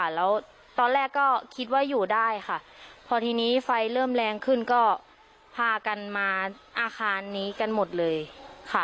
แล้วตอนแรกก็คิดว่าอยู่ได้ค่ะพอทีนี้ไฟเริ่มแรงขึ้นก็พากันมาอาคารนี้กันหมดเลยค่ะ